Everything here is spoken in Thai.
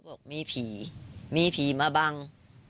บอกมีผีมีผีมาบัง